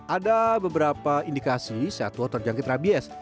ada beberapa indikasi satwa terjangkit rabies